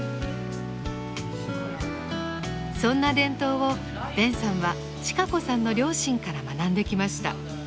そんな伝統をベンさんは智香子さんの両親から学んできました。